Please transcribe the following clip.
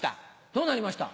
どうなりました？